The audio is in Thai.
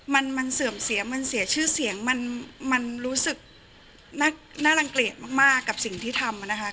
มันมันเสื่อมเสียมันเสียชื่อเสียงมันรู้สึกน่ารังเกลียดมากกับสิ่งที่ทำนะคะ